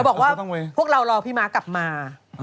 บอกว่าพวกเรารอพี่ม้ากลับมา